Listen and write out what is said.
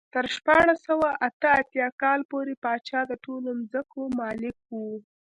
تر شپاړس سوه اته اتیا کال پورې پاچا د ټولو ځمکو مالک و.